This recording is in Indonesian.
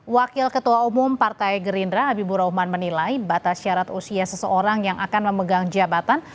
wakil ketua umum partai gerindra habibur rahman menilai batas syarat usia seseorang yang akan memegang jabatan